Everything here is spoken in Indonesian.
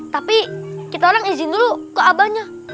tapi kita orang izin dulu ke abahnya